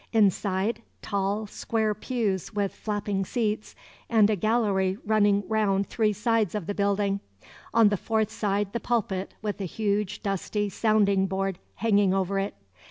Inside, tall, square pews with flapping seats, and a gallery running round three sides of the building. On the fourth side the pulpit, with a huge, dusty sounding board hanging over it.